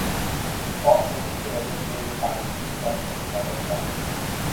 stock بڑھنے کی وجہ سے ریفائنریز بند ہونے کا خدشہ